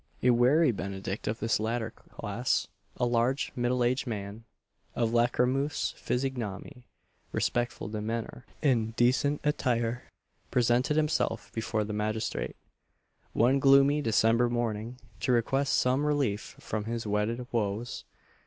A weary Benedict of this latter class a large middle aged man, of lachrymose physiognomy, respectful demeanour, and decent attire, presented himself before the magistrate, one gloomy December morning, to request some relief from his wedded woes.